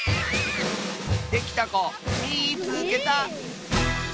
できたこみいつけた！